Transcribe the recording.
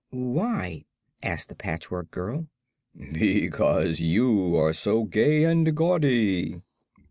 "Why?" asked the Patchwork Girl. "Because you are so gay and gaudy."